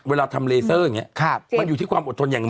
เหมือนมันไม่เชื่อเค็บนะ